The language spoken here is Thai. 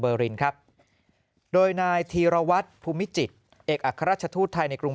รินครับโดยนายธีรวัตรภูมิจิตเอกอัครราชทูตไทยในกรุง